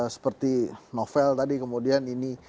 seperti novel tadi kemudian ini